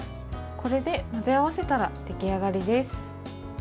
これで混ぜ合わせたら出来上がりです。